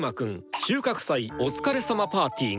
収穫祭お疲れさまパーティー」が。